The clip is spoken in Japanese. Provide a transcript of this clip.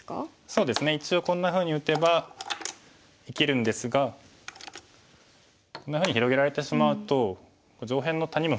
そうですね一応こんなふうに打てば生きるんですがこんなふうに広げられてしまうと上辺の谷も深くなりそうですよね。